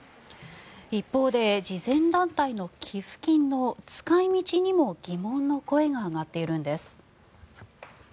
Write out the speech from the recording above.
一方で慈善団体の寄付金の使い道にも疑問の声が上がっているんです。